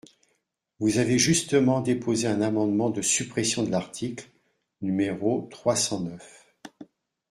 Vous avez justement déposé un amendement de suppression de l’article, numéro trois cent neuf.